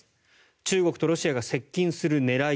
中国とロシアが接近する狙い